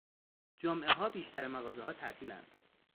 جمعهها بیشتر مغازهها تعطیلاند.